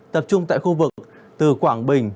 tập trung tại khu vực từ quảng bình